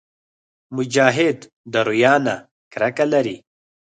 مجاهد د ریا نه کرکه لري.